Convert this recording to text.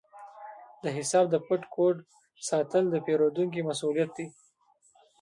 د حساب د پټ کوډ ساتل د پیرودونکي مسؤلیت دی۔